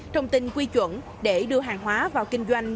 thông tin quy chuẩn để đưa hàng hóa vào kinh doanh